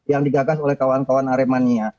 yang digagas oleh kawan kawan aremania